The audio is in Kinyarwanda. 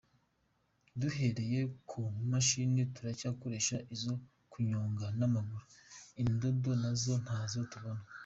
Duhereye ku mashini turacyakoresha izo kunyonga n’amaguru, indodo nazo ntazo tubona.